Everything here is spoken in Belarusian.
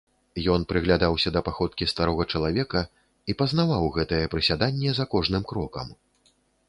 Ён прыглядаўся да паходкі старога чалавека і пазнаваў гэтае прысяданне за кожным крокам.